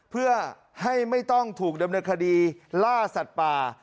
เพื่อให้ไม่ต้องถูกดำเนินคดีล่าสัตว์ป่า